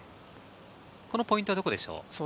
このポイントはどこでしょう。